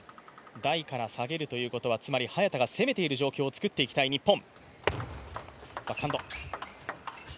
台から下げるということは、つまり早田が攻めている状況を作っていきたい日本。